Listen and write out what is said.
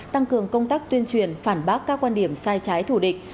tăng cường công tác tuyên truyền phản bác các quan điểm sai trái thủ địch